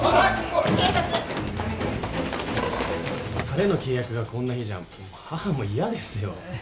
晴れの契約がこんな日じゃ母も嫌ですよ。